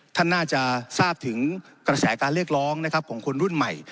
ท่านน่าจะทราบถึงกระแสการเรียกร้องนะครับของคนรุ่นใหม่